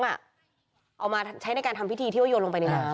น้องอ่ะเอามาใช้ในการทำพิธีที่ว่าโยนลงไปในหลัง